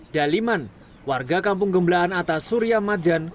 daliman warga kampung gemblaan atas surya madjan